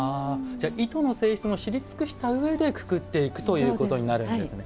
糸の性質を知り尽くしたうえでくくっていくということになるんですね。